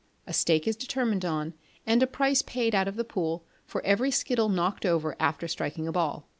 A stake is determined on, and a price paid out of the pool for every skittle knocked over after striking a ball.